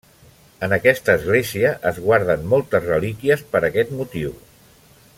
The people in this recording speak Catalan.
En aquesta església es guarden moltes relíquies per aquest motiu.